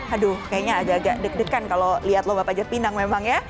aduh kayaknya agak deg degan kalau lihat lomba panjatinang memang ya